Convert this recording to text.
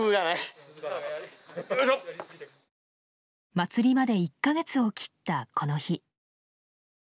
祭りまで１か月を切ったこの日。